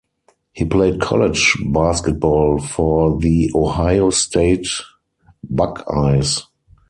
He played college basketball for the Ohio State Buckeyes.